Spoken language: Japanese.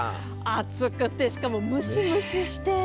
暑くてしかもムシムシして。